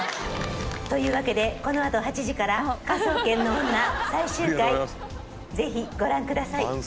というわけでこのあと８時から『科捜研の女』最終回ぜひご覧ください。